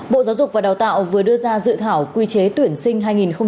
bộ giáo dục và đào tạo vừa đưa ra dự thảo quy chế tuyển sinh hai nghìn hai mươi